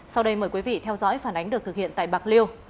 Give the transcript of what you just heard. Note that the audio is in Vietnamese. sau đây mời quý vị theo dõi phản ánh được thực hiện tại bạc liêu